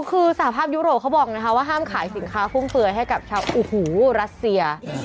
คือสาธารณะยุโรคเค้าบอกนะค่ะว่าห้ามขายสินค้าฟุ้งเฟือยให้กับมันโอ้โหณรัสเซีย